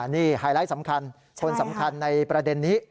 นี่ไฮไลท์สำคัญคนสำคัญในประเด็นนี้